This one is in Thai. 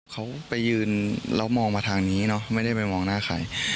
เขาไปยืนแล้วมองมาทางนี้เนอะไม่ได้ไปมองหน้าใคร